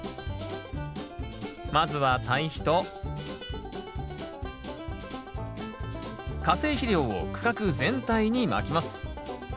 まずは堆肥と化成肥料を区画全体にまきます。